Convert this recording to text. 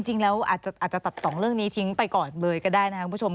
จริงแล้วอาจจะตัดสองเรื่องนี้ทิ้งไปก่อนเลยก็ได้นะครับคุณผู้ชม